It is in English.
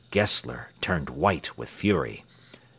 Gessler turned white with fury.